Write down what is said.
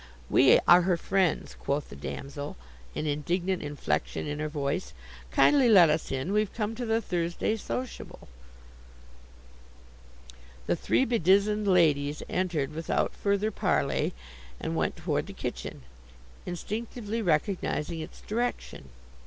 "We are her friends," quoth the damsel, an indignant inflection in her voice. "Kindly let us in. We've come to the Thursday sociable." The three bedizened ladies entered without further parley and went toward the kitchen, instinctively recognizing its direction.